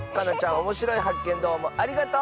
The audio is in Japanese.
おもしろいはっけんどうもありがとう。